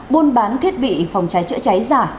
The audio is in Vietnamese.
buôn bán thiết bị phòng cháy chữa cháy giả